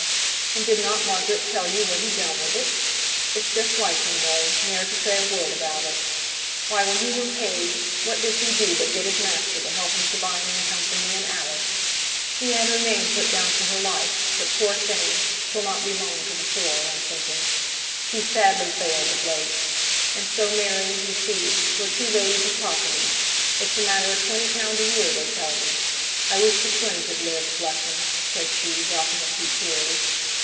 and did not Margaret tell yo what he'd done wi' it? It's just like him though, ne'er to say a word about it. Why, when it were paid what does he do, but get his master to help him to buy an income for me and Alice. He had her name put down for her life; but, poor thing, she'll not be long to the fore, I'm thinking. She's sadly failed of late. And so, Mary, yo see, we're two ladies o' property. It's a matter o' twenty pound a year they tell me. I wish the twins had lived, bless 'em," said she, dropping a few tears.